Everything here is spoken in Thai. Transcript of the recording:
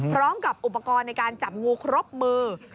พร้อมกับอุปกรณ์ในการจับงูครบมือ